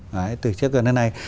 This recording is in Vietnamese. đấy từ trước đến nay